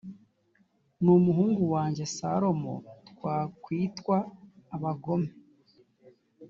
n umuhungu wanjye salomo twakwitwa abagome